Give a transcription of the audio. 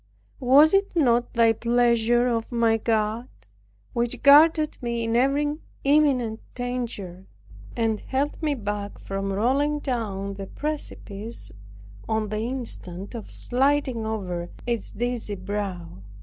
Was it not thy pleasure, O my God, which guarded me in every imminent danger, and held me back from rolling down the precipice, on the instant of sliding over its dizzy brow?